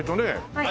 はい。